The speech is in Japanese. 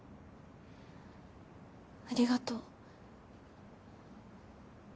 ありがとう。